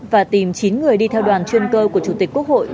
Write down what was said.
và tìm chín người đi theo đoàn chuyên cơ của chủ tịch quốc hội